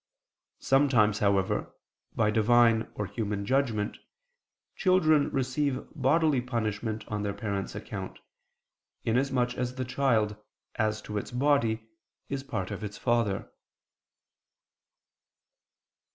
Sometimes, however, by Divine or human judgment, children receive bodily punishment on their parents' account, inasmuch as the child, as to its body, is part of its father.